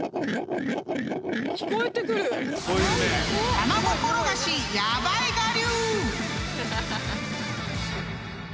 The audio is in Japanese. ［卵転がしやばい我流！］